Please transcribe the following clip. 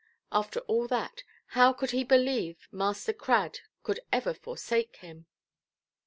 After all that, how could he believe Master Crad could ever forsake him?